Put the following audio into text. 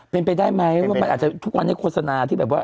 เป็นไปได้ไหมว่ามันอาจจะทุกวันนี้โฆษณาที่แบบว่า